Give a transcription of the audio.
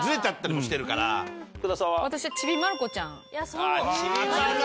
ああ『ちびまる子ちゃん』な。